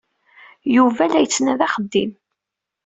Yuba la yettnadi axeddim.